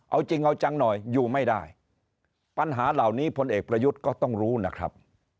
เอาจริงเอาจังหน่อยอยู่ไม่ได้ปัญหาเหล่านี้พลเอกประยุทธ์ก็ต้องรู้นะครับ